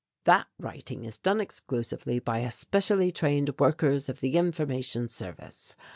"That writing is done exclusively by especially trained workers of the Information Service.